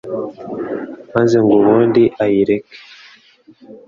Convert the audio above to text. maze ngo ubundi ayireke.